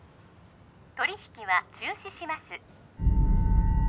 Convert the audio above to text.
取り引きは中止します